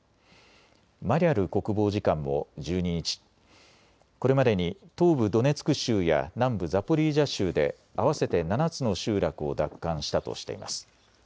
マリャル国防次官も１２日、これまでに東部ドネツク州や南部ザポリージャ州で合わせて７つの集落を奪還したとしています。